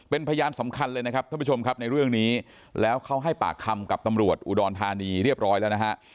เป็นพยานสำคัญเลยนะครับท่านผู้ชมครับในเรื่องนี้แล้วเขาให้ปากคำกับตำรวจอุดรธานีเรียบร้อยแล้วนะฮะ